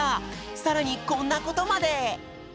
さらにこんなことまで！